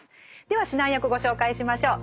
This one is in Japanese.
では指南役ご紹介しましょう。